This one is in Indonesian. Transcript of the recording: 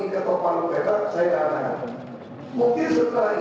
ide yang tersebut yang muncul lagi